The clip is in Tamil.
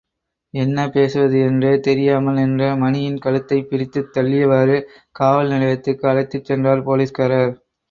என்ன பேசுவது என்றே தெரியாமல் நின்ற மணியின் கழுத்தைப் பிடித்துத் தள்ளியவாறு, காவல் நிலையத்திற்கு அழைத்துச் சென்றார் போலீஸ்காரர்.